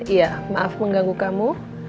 iya maaf mengganggu kamu